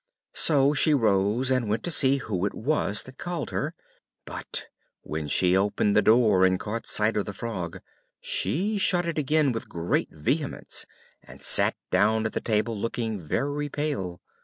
So she rose and went to see who it was that called her; but when she opened the door and caught sight of the Frog, she shut it again with great vehemence, and sat down at the table, looking very pale.